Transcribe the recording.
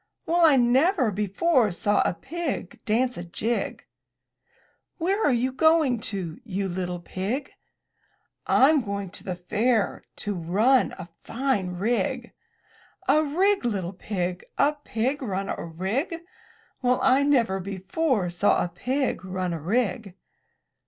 Well, I never before saw a pig dance a jig!" HJ1 Where are you going to, you little pig?" Tm going to the fair to run a fine rig." "A rig, little pig! A pig run a rig! Well, I never before saw a pig run a rig!"